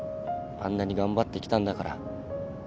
あんなに頑張ってきたんだから。